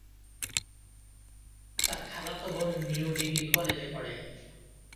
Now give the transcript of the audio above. তার খালাতো বোন নিউ ডিগ্রি কলেজে পড়ে।